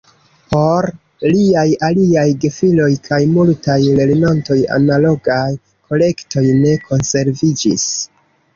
Por liaj aliaj gefiloj kaj multaj lernantoj analogaj kolektoj ne konserviĝis.